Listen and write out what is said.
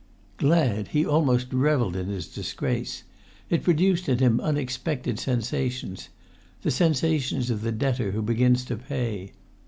Glad! He almost revelled in his disgrace; it produced in him unexpected sensations—the sensations of the debtor who begins to pay.